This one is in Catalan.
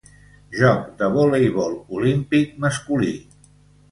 Joc de voleibol olímpic masculí